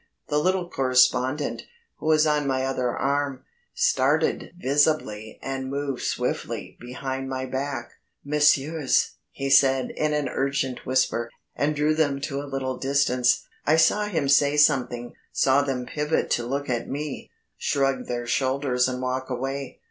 The little correspondent, who was on my other arm, started visibly and moved swiftly behind my back. "Messieurs," he said in an urgent whisper, and drew them to a little distance. I saw him say something, saw them pivot to look at me, shrug their shoulders and walk away.